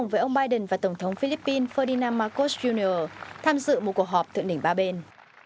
với ông biden và tổng thống philippines ferdinand marcos jr tham dự một cuộc họp thượng đỉnh ba bên